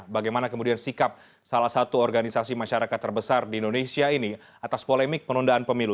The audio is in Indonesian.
bagaimana kemudian sikap salah satu organisasi masyarakat terbesar di indonesia ini atas polemik penundaan pemilu